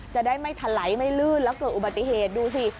จะได้ไม่ถลายไม่ลื่นแล้วเกิดอุบัติเหตุดูสิ